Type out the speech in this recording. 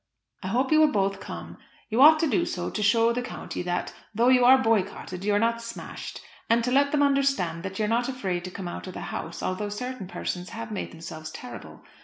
I hope you will both come. You ought to do so to show the county that, though you are boycotted, you are not smashed, and to let them understand that you are not afraid to come out of the house although certain persons have made themselves terrible.